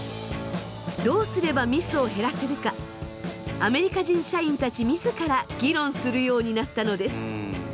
どうすればミスを減らせるかアメリカ人社員たち自ら議論するようになったのです。